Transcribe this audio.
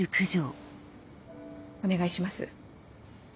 お願いします。